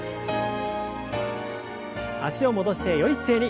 脚を戻してよい姿勢に。